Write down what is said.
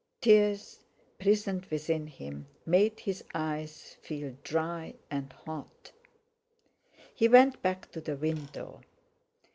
Tears, prisoned within him, made his eyes feel dry and hot. He went back to the window.